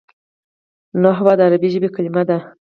نحوه د عربي ژبي کلیمه ده.